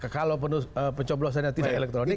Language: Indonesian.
kalau pencoblosannya tidak elektronik